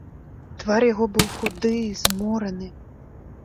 Твар яго быў худы, змораны.